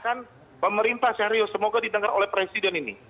saya minta pemerintah serius semoga didengar oleh presiden ini